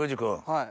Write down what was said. はい。